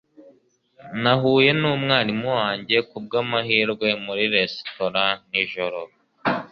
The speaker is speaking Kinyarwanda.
Nahuye numwarimu wanjye kubwamahirwe muri resitora nijoro.